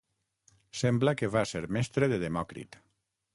Sembla que va ser mestre de Demòcrit.